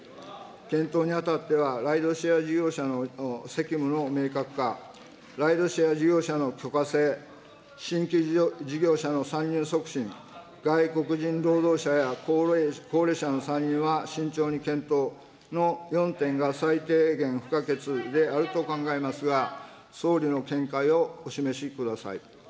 検討にあたっては、ライドシェア事業者の責務の明確化、ライドシェア事業者の許可制、新規事業者の参入促進、外国人労働者や高齢者の参入は慎重に検討の４点が最低限不可欠であると考えますが、総理の見解をお示しください。